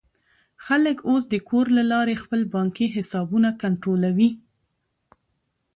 خلک اوس د کور له لارې خپل بانکي حسابونه کنټرولوي.